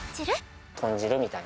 豚汁みたいな。